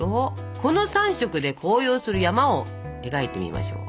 この３色で紅葉する山を描いてみましょう。